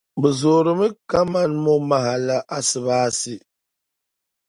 Bɛ zoorimi kaman momaha la asibaasi.